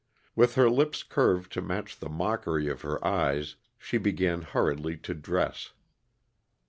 With her lips curved to match the mockery of her eyes, she began hurriedly to dress.